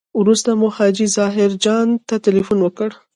وروسته مو حاجي ظاهر جان ته تیلفون وکړ.